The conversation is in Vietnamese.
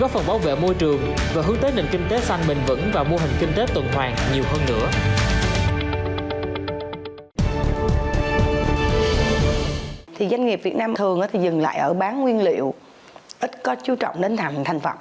và ngồi được bao lâu ngồi như thế nào